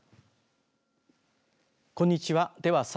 こんにちは。